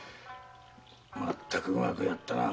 まったくうまくやったな。